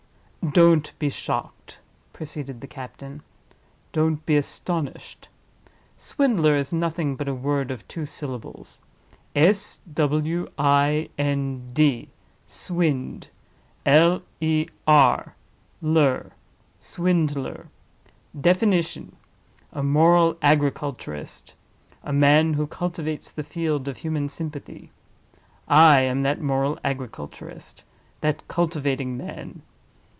"Don't be shocked," proceeded the captain; "don't be astonished. Swindler is nothing but a word of two syllables. S, W, I, N, D—swind; L, E, R—ler; Swindler. Definition: A moral agriculturist; a man who cultivates the field of human sympathy. I am that moral agriculturist, that cultivating man.